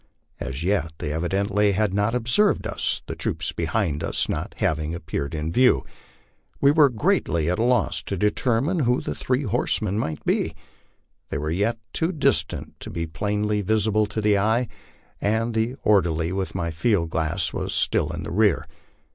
As yet they evidently had not ob served us, the troops behind us not having appeared in view. We were greatly at a loss to determine who the three horsemen might be ; they were yet too distant to be plainly visible to the eye, and the orderly with my field glass was still in rear.